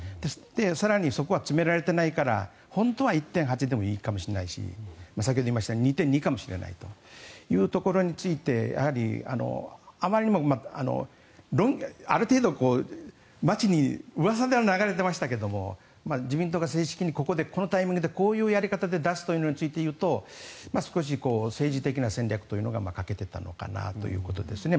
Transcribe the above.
更にそこは詰められていないから本当は１．８でもいいかもしれないし先ほど言いました２．２かもしれないというところについてやはりあまりにもある程度、街にうわさでは流れていましたけど自民党が正式にここでこのタイミングでこういうやり方で出すというのについていうと少し政治的な戦略というのが欠けていたのかなということですね。